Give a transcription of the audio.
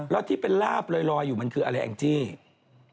แล้วที่เป็นลาบลอยอยู่มันคืออะไรแองจี้